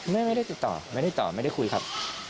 ไม่ได้ติดต่อไม่ได้ต่อไม่ได้คุยครับ